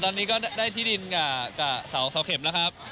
ตอนนี้ก็ได้ที่ดินกับเสาเข็มแล้วครับ